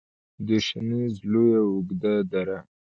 د شنیز لویه او اوږده دره